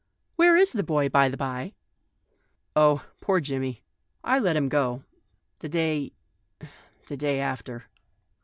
" Where is the boy, by the bye ?"" Oh, the poor boy, I let him go — the day — the day after.